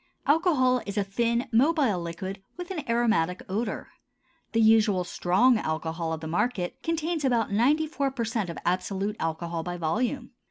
Alcohol is a thin, mobile liquid with an aromatic odor. The usual "strong" alcohol of the market contains about ninety four per cent of absolute alcohol by volume.